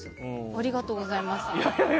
ありがとうございます。